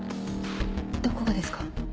どこがですか？